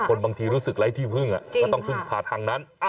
บางทีรู้สึกไร้ที่พึ่งก็ต้องพึ่งพาทางนั้น